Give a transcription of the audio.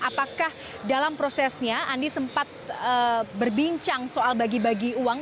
apakah dalam prosesnya andi sempat berbincang soal bagi bagi uang